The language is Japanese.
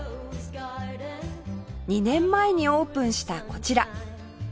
２年前にオープンしたこちら